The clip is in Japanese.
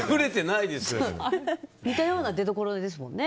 似たような出どころですもんね。